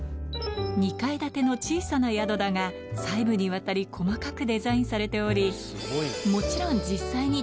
２階建ての小さな宿だが細部にわたり細かくデザインされておりもちろんこっから？